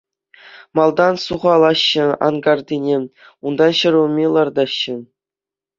Малтан сухалаҫҫӗ анкартине, унтан ҫӗр улми лартаҫҫӗ.